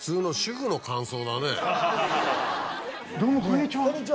どうもこんにちは。